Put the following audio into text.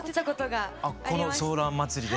あっこのソーラン祭りで。